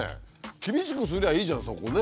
厳しくすりゃいいじゃんそこね。